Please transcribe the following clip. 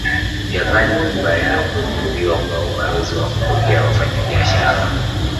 Japani kukubali kufunguliwa kwa ubalozi na kupokea wafanyabiashara